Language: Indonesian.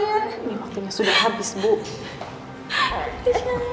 ini waktunya sudah habis bu